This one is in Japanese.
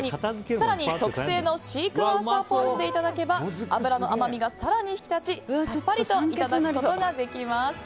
更に、特製のシークヮーサーポン酢でいただけば脂の甘みが更に引き立ちさっぱりといただくことができます。